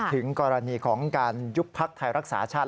ถึงกรณีของการยุบพักไทยรักษาชาติ